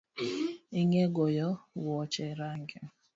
Ing’e goyo wuoche rangi?